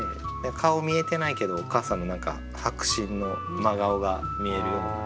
顔見えてないけどお母さんの何か迫真の真顔が見えるような。